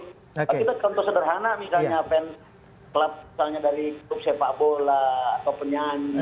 kalau kita contoh sederhana misalnya fans klub misalnya dari klub sepak bola atau penyanyi